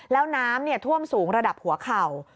แล้วน้ำท่วมสูงระดับหัวเข่า